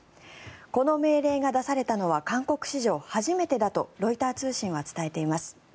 この命令が出されたのは韓国史上初めてだとロイター通信は伝えています。